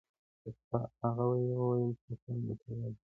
هغه وويل چي سفر ګټور دی!